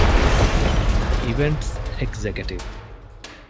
އިވެންޓްސް އެގްޒެކެޓިވް